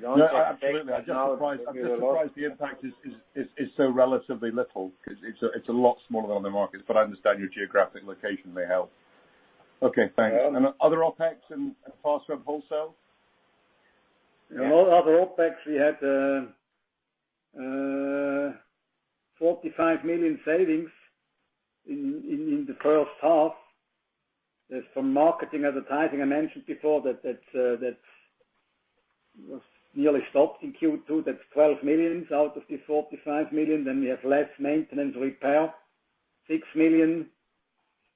don't have data now. No, absolutely. I'm just surprised the impact is so relatively little because it's a lot smaller on the markets, but I understand your geographic location may help. Okay, thanks. Other OpEx in Fastweb wholesale? In all other OpEx, we had 45 million savings in the first half. There's some marketing advertising. I mentioned before that that was nearly stopped in Q2. That's 12 million out of the 45 million. We have less maintenance repair, 6 million.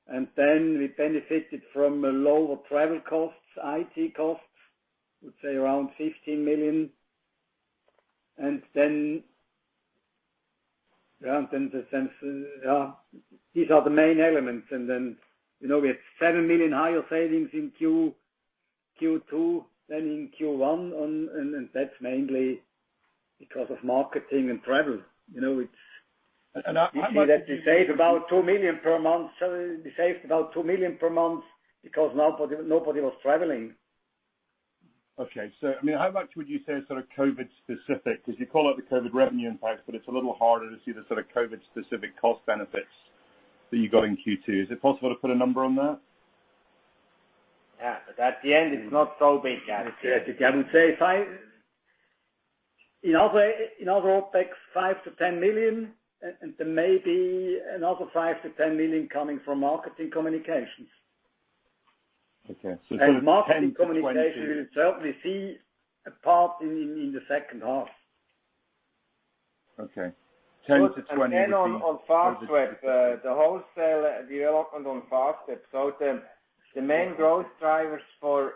We benefited from lower travel costs, IT costs, let's say around 15 million. These are the main elements. We had 7 million higher savings in Q2 than in Q1, and that's mainly because of marketing and travel. We saved about 2 million per month because nobody was traveling. Okay. How much would you say is sort of COVID-specific? Because you call out the COVID revenue impact, but it's a little harder to see the sort of COVID-specific cost benefits that you got in Q2. Is it possible to put a number on that? Yeah. At the end, it's not so big. I would say in other OpEx, 5 million-10 million, and maybe another 5 million-10 million coming from marketing communications. Okay. sort of CHF 10 million-CHF 20 million... Marketing communication will certainly see a part in the second half. Okay. 10 million-20 million you think? On Fastweb, the wholesale development on Fastweb. The main growth drivers for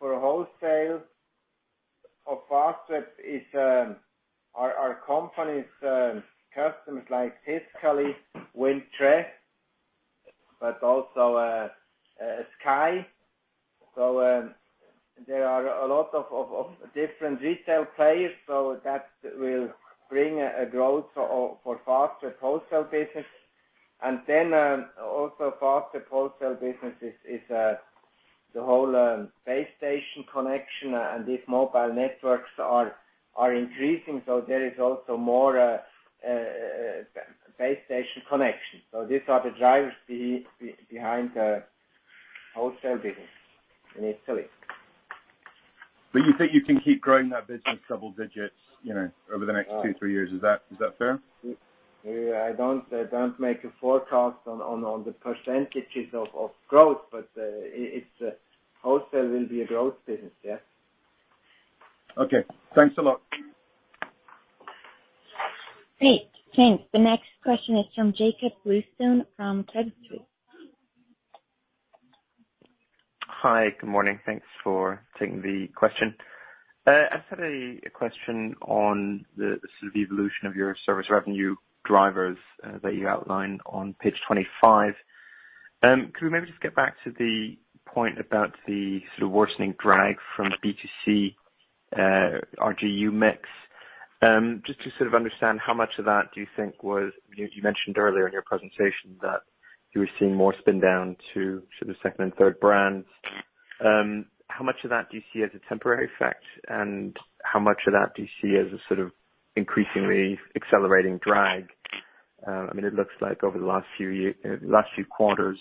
wholesale of Fastweb are companies, customers like Tiscali, Wind Tre, but also Sky. There are a lot of different retail players. That will bring a growth for Fastweb wholesale business. Also Fastweb wholesale business is the whole base station connection, and these mobile networks are increasing. There is also more base station connection. These are the drivers behind the wholesale business in Italy. You think you can keep growing that business double digits over the next two, three years. Is that fair? I don't make a forecast on the percentages of growth, but wholesale will be a growth business, yes. Okay. Thanks a lot. Great. Thanks. The next question is from Jakob Bluestone from Credit Suisse. Hi. Good morning. Thanks for taking the question. I just had a question on the sort of evolution of your service revenue drivers that you outline on page 25. Could we maybe just get back to the point about the sort of worsening drag from B2C RGU mix? Just to sort of understand how much of that do you think was You mentioned earlier in your presentation that you were seeing more spin down to sort of second and third brands. How much of that do you see as a temporary effect, and how much of that do you see as a sort of increasingly accelerating drag? It looks like over the last few quarters,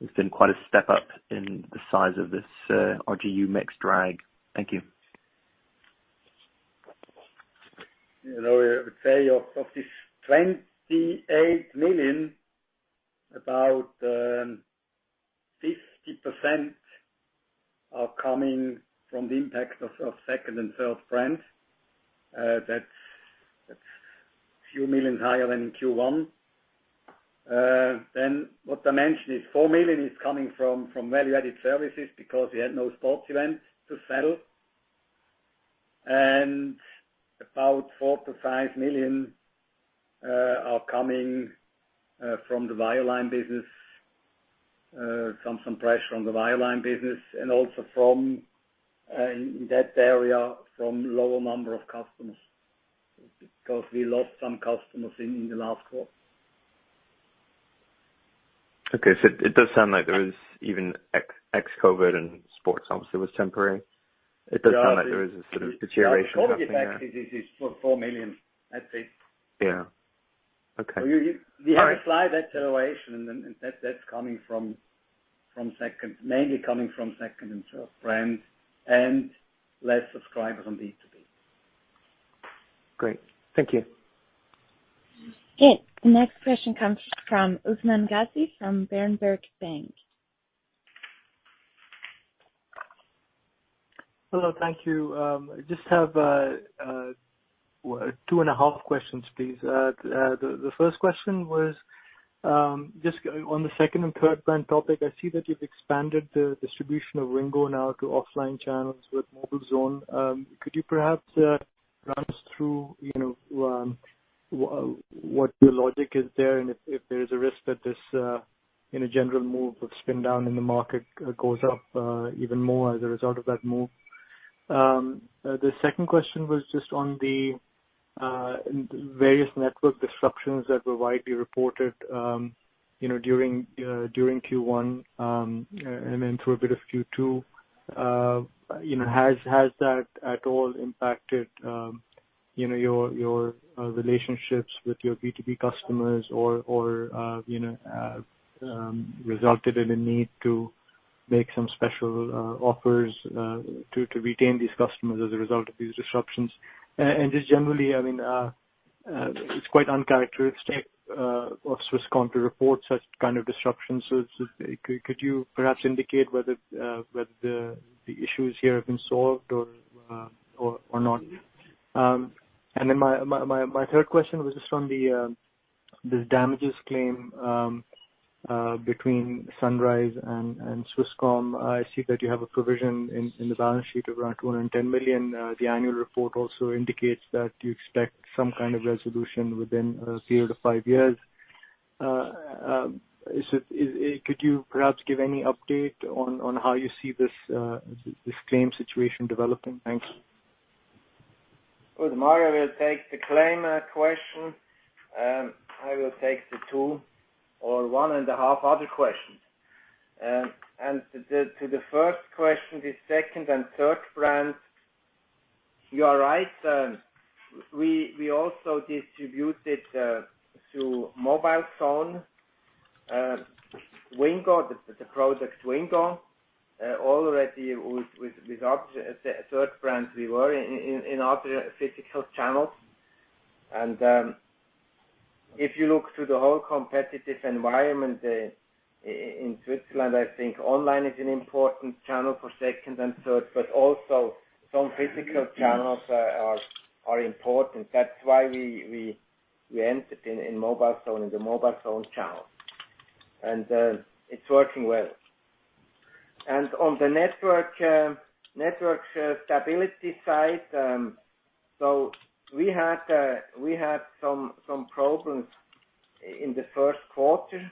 there's been quite a step-up in the size of this RGU mix drag. Thank you. I would say of this 28 million, about 50% are coming from the impact of second and third brands. What I mentioned is 4 million is coming from value-added services because we had no sports events to sell. About 4 million-5 million are coming from the wireline business. Some pressure on the wireline business and also in that area, from lower number of customers, because we lost some customers in the last quarter. It does sound like there is even ex-COVID and sports, obviously, was temporary. It does sound like there is a sort of deterioration there. The COVID effect is CHF 4 million at least. Yeah. Okay. All right. We have a slight acceleration, and that's mainly coming from second and third brands and less subscribers on B2B. Great. Thank you. Okay. The next question comes from Usman Ghazi from Berenberg Bank. Hello. Thank you. I just have two and a half questions, please. The first question was just on the second and third brand topic. I see that you've expanded the distribution of Wingo now to offline channels with mobilezone. Could you perhaps run us through what your logic is there and if there is a risk that this general move of spin down in the market goes up even more as a result of that move? The second question was just on the various network disruptions that were widely reported during Q1, and then through a bit of Q2. Has that at all impacted your relationships with your B2B customers or resulted in a need to make some special offers to retain these customers as a result of these disruptions? Just generally, it's quite uncharacteristic of Swisscom to report such kind of disruptions. Could you perhaps indicate whether the issues here have been solved or not? My third question was just on this damages claim between Sunrise and Swisscom. I see that you have a provision in the balance sheet of around 210 million. The annual report also indicates that you expect some kind of resolution within zero to five years. Could you perhaps give any update on how you see this claim situation developing? Thank you. Well, Mario will take the claim question. I will take the two or one and a half other questions. To the first question, the second and third brands. You are right. We also distributed through mobilezone. Wingo, the product Wingo, already with third brands we were in other physical channels. If you look through the whole competitive environment in Switzerland, I think online is an important channel for second and third, also some physical channels are important. That's why we entered in the mobilezone channel, it's working well. On the network stability side, we had some problems in the first quarter.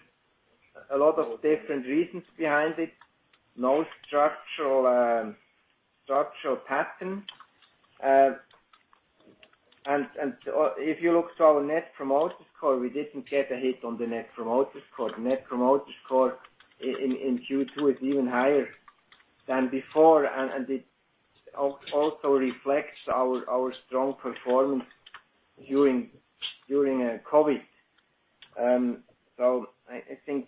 A lot of different reasons behind it. No structural pattern. If you look to our Net Promoter Score, we didn't get a hit on the Net Promoter Score. Net Promoter Score in Q2 is even higher than before. It also reflects our strong performance during COVID. I think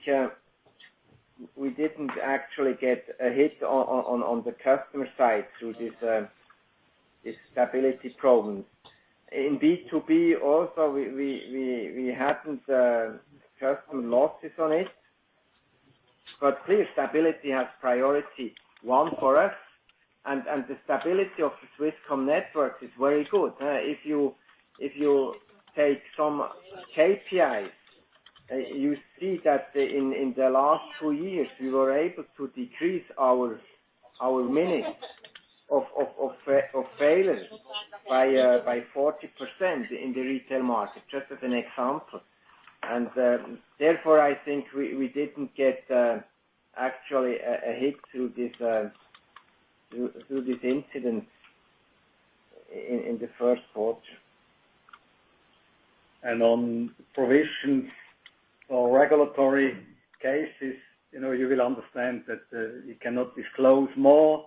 we didn't actually get a hit on the customer side through this stability problem. Also, we hadn't customer losses on it. Clearly, stability has priority one for us. The stability of the Swisscom network is very good. If you take some KPIs, you see that in the last two years, we were able to decrease our minutes of failures by 40% in the retail market. Just as an example. Therefore, I think we didn't get actually a hit through these incidents in the first quarter. On provisions for regulatory cases, you will understand that we cannot disclose more.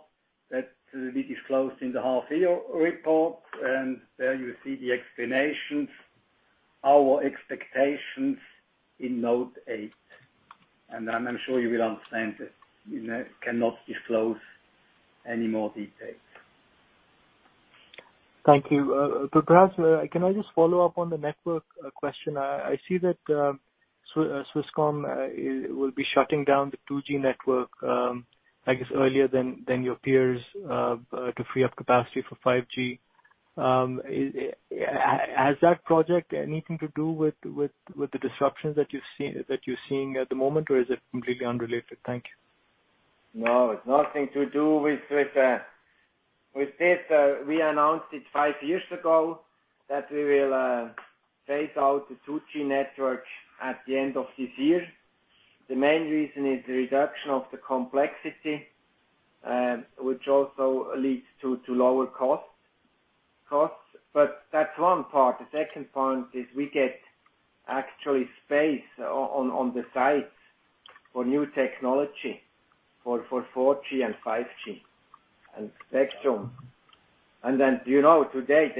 That will be disclosed in the half-year report. There you see the explanations, our expectations in note eight. I'm sure you will understand that we cannot disclose any more details. Thank you. Perhaps, can I just follow up on the network question? I see that Swisscom will be shutting down the 2G network, I guess, earlier than your peers to free up capacity for 5G. Has that project anything to do with the disruptions that you're seeing at the moment, or is it completely unrelated? Thank you. No, it's nothing to do with this. We announced it five years ago that we will phase out the 2G network at the end of this year. The main reason is the reduction of the complexity, which also leads to lower costs. That's one part. The second point is we get actually space on the sites for new technology for 4G and 5G, and spectrum. You know today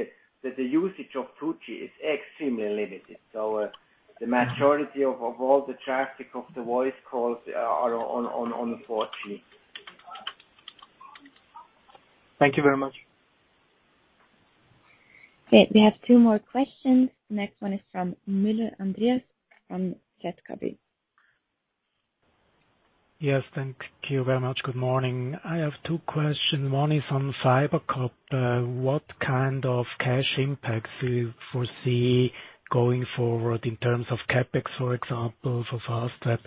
that the usage of 2G is extremely limited. The majority of all the traffic of the voice calls are on the 4G. Thank you very much. We have two more questions. Next one is from Müller Andreas from ZKB. Yes, thank you very much. Good morning. I have two questions. One is on FiberCop. What kind of cash impacts do you foresee going forward in terms of CapEx, for example, for Fastweb?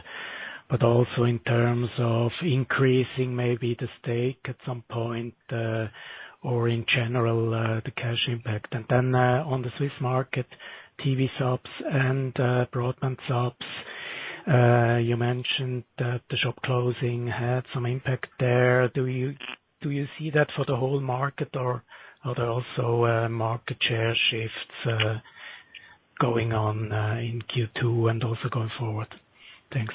Also in terms of increasing maybe the stake at some point or, in general, the cash impact? Then, on the Swiss market, TV subs and broadband subs. You mentioned that the shop closing had some impact there. Do you see that for the whole market, or are there also market share shifts going on in Q2 and also going forward? Thanks.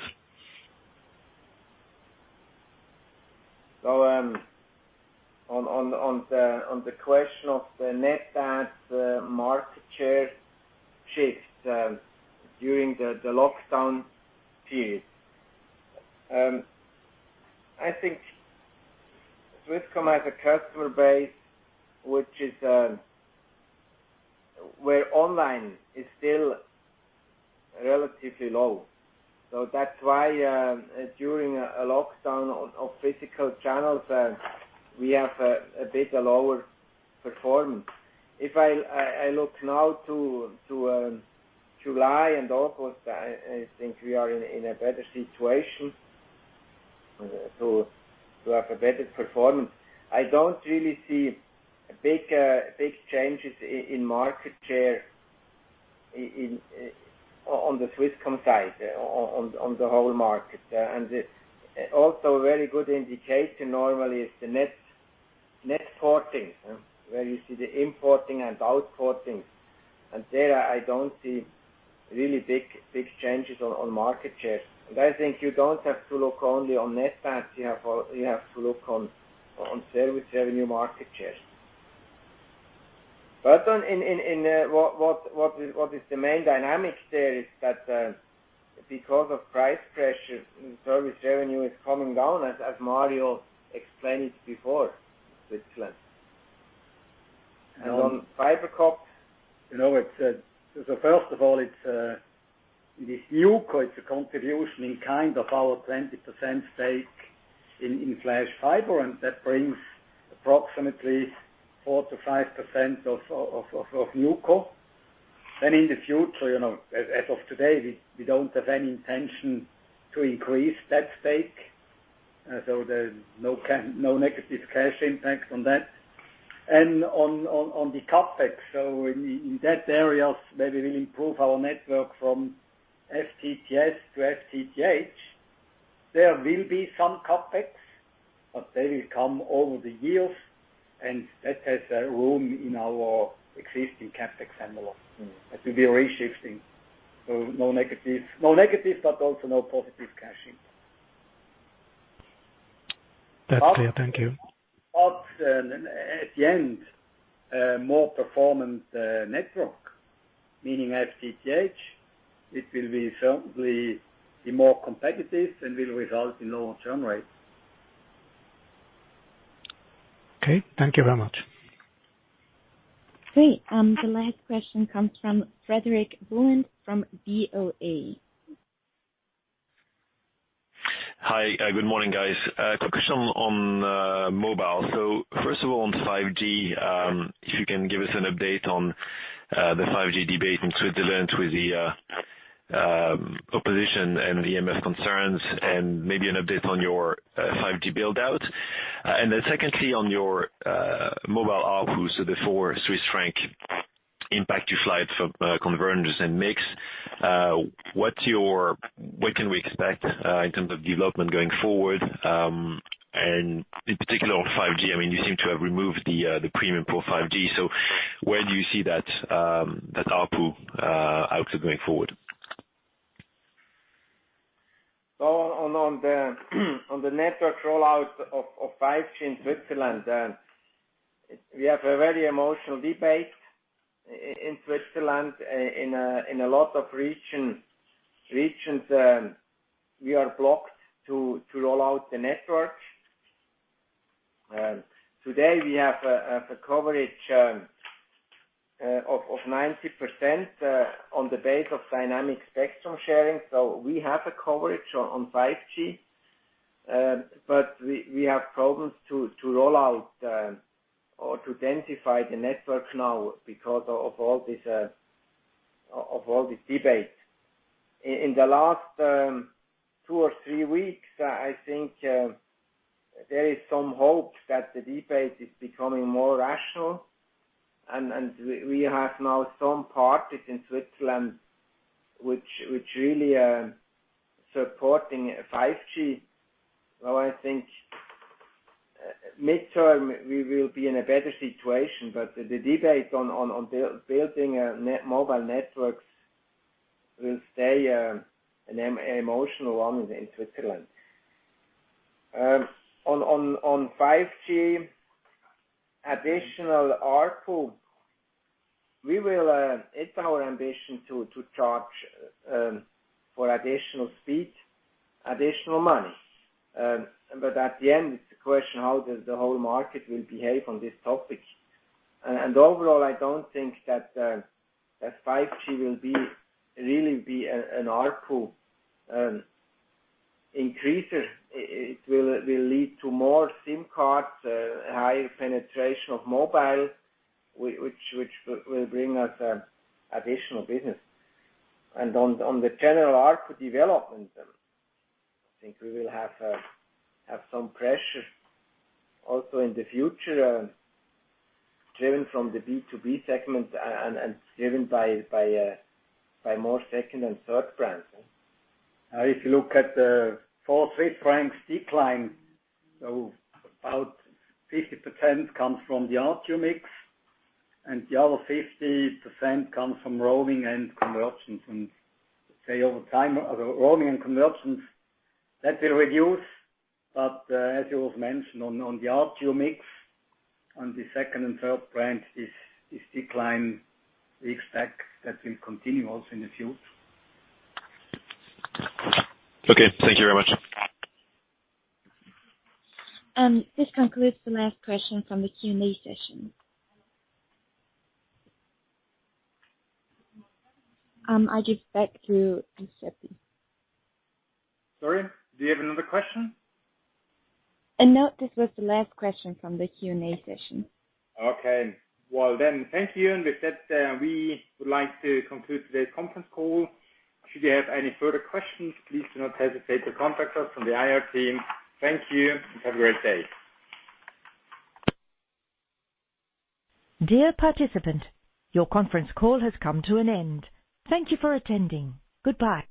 On the question of the net add market share shift during the lockdown period. I think Swisscom has a customer base where online is still relatively low. That's why, during a lockdown of physical channels, we have a bit lower performance. If I look now to July and August, I think we are in a better situation to have a better performance. I don't really see big changes in market share on the Swisscom side, on the whole market. Also very good indication normally is the net porting. Where you see the in-porting and out-porting. There I don't see really big changes on market share. I think you don't have to look only on net adds. You have to look on service revenue market share. What is the main dynamic there is that because of price pressure, service revenue is coming down, as Mario explained it before Switzerland. On FiberCop. First of all, in this NewCo, it's a contribution in kind of our 20% stake in Flash Fiber, and that brings approximately 4%-5% of NewCo. In the future, as of today, we don't have any intention to increase that stake. There's no negative cash impact from that. On the CapEx. In that area, where we will improve our network from FTTS to FTTH, there will be some CapEx, but they will come over the years, and that has a room in our existing CapEx envelope. That will be a reshifting. No negative, but also no positive cash in. That's clear. Thank you. At the end, more performant network, meaning FTTH, it will certainly be more competitive and will result in lower churn rates. Okay. Thank you very much. Great. The last question comes from Frédéric Boulan from BoA. Hi. Good morning, guys. Quick question on mobile. First of all, on 5G, if you can give us an update on the 5G debate in Switzerland with the opposition and the EMF concerns, and maybe an update on your 5G build-out. Secondly, on your mobile ARPU, the four CHF impact you highlight from convergence and mix. What can we expect in terms of development going forward? In particular, on 5G, you seem to have removed the premium for 5G. Where do you see that ARPU outlook going forward? On the network rollout of 5G in Switzerland, we have a very emotional debate in Switzerland. In a lot of regions, we are blocked to roll out the network. Today we have a coverage of 90% on the base of dynamic spectrum sharing. We have a coverage on 5G, but we have problems to roll out or to densify the network now because of all this debate. In the last two or three weeks, I think there is some hope that the debate is becoming more rational, and we have now some parties in Switzerland which really are supporting 5G. I think midterm, we will be in a better situation, but the debate on building mobile networks will stay an emotional one in Switzerland. On 5G additional ARPU, it's our ambition to charge for additional speed, additional money. At the end, it's a question how the whole market will behave on this topic. Overall, I don't think that 5G will really be an ARPU increaser. It will lead to more SIM cards, higher penetration of mobile, which will bring us additional business. On the general ARPU development, I think we will have some pressure also in the future, driven from the B2B segment and driven by more second and third brands. If you look at the four, three CHF decline, about 50% comes from the ARPU mix, and the other 50% comes from roaming and convergence. Say, over time, the roaming and convergence, that will reduce, but as it was mentioned on the ARPU mix, on the second and third brand, this decline, we expect that will continue also in the future. Okay. Thank you very much. This concludes the last question from the Q&A session. I give back to you, Urs Schaeppi. Sorry, do you have another question? No, this was the last question from the Q&A session. Okay. Well then, thank you. With that, we would like to conclude today's conference call. Should you have any further questions, please do not hesitate to contact us from the IR team. Thank you and have a great day. Dear participant, your conference call has come to an end. Thank you for attending. Goodbye.